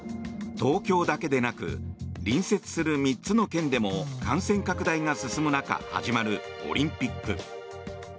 東京だけでなく隣接する３つの県でも感染拡大が進む中、始まるオリンピック。